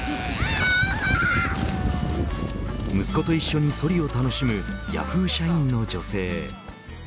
息子と一緒に、そりを楽しむヤフー社員の女性。